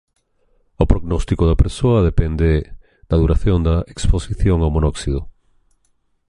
O prognóstico da persoa depende da duración da exposición ao monóxido.